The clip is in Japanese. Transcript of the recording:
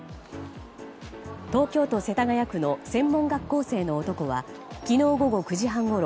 東京都世田谷区の専門学校生の男は昨日午後９時半ごろ